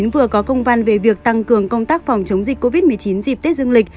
vừa có công văn về việc tăng cường công tác phòng chống dịch covid một mươi chín dịp tết dương lịch